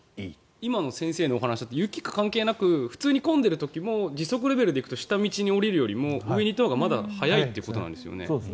今の先生のお話だと雪が関係なく普通に混んでいる時も時速レベルで行くと下道に降りるよりも上にいたほうが早いということですよね。